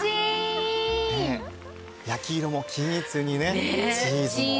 焼き色も均一にねチーズも。